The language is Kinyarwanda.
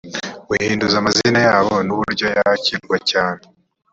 guhinduza amazina yabo n uburyo yakirwa cyane